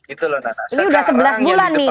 ini udah sebelas bulan nih